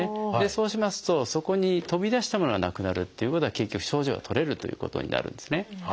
そうしますとそこに飛び出したものがなくなるっていうことは結局症状が取れるということになるんですね。